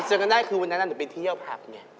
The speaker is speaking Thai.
ไปเจอกันได้คือวันนั้นนั้นหนูไปเที่ยวพัก